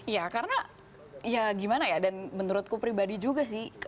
ya karena ya gimana ya dan menurutku pribadi juga sih